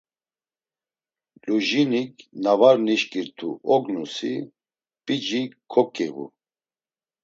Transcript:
Lujinik na var nişǩirt̆u ognusi, p̌ici koǩiğu…